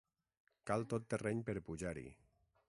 Cal tot terreny per pujar-hi.